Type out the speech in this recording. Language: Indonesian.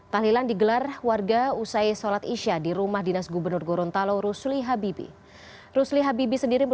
tahlilan digelar warga usai sholat isya di rumah dinas gubernur gorontalo rusli habibi